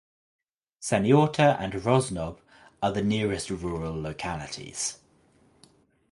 Saniorta and Rosnob are the nearest rural localities.